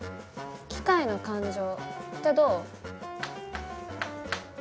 「機械の感情」ってどう？